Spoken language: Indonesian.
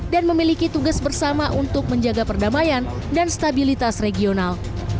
dan memiliki tugas bersama untuk menjaga perdamaian dan stabilitas regional